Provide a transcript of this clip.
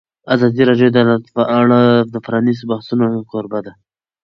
ازادي راډیو د عدالت په اړه د پرانیستو بحثونو کوربه وه.